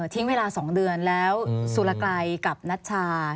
ทิ้งเวลา๒เดือนแล้วสุรกัยกับนัชชา